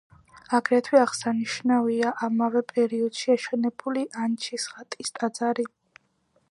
აგრეთვე აღსანიშნავია ამავე პერიოდში აშენებული ანჩისხატის ტაძარი.